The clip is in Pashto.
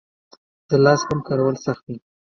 د لاس پمپ کارول سخت دي؟